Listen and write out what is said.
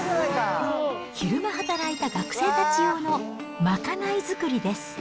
昼間働いた学生たち用の賄い作りです。